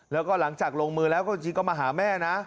แล้วก็หลังจากลงมือแล้วก็จริงก็มาหาแม่นะ